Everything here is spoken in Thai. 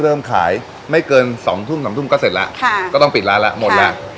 เริ่มขายไม่เกินสองทุ่มสามทุ่มก็เสร็จแล้วก็ต้องปิดร้านแล้วหมดแล้ว